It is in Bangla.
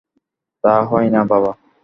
তা হয় না বাবা।